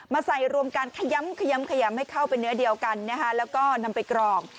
มาใส่รวมกันขย้ำให้เข้าไปเนื้อเดียวกันแล้วก็นำไปกรอง